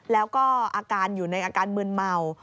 แล้วก็อาการอยู่ในอาการมืนเมา